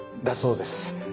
だそうです。